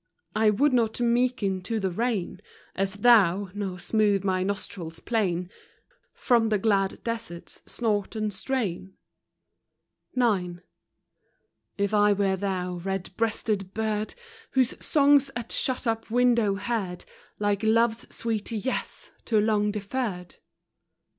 I would not meeken to the rein, As thou, nor smooth my nostril plain From the glad desert's snort and strain. If I were thou, red breasted bird, Whose song's at shut up window heard, Like Love's sweet Yes too long deferred; x.